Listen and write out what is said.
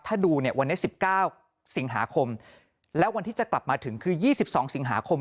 ถ้าดูเนี่ยวันนี้๑๙สิงหาคมแล้ววันที่จะกลับมาถึงคือ๒๒สิงหาคม